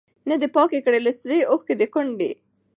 نه دي پاکي کړلې سرې اوښکي د کونډي